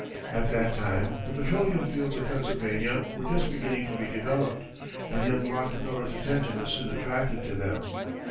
At that time the petroleum fields of Pennsylvania were just beginning to be developed, and young Rockefeller's attention was soon attracted to them.